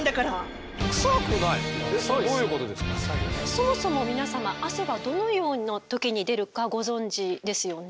そもそも皆様汗はどのような時に出るかご存じですよね？